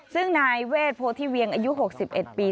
ซึ่งนายเวทโพธิเวียงอายุ๖๑ปี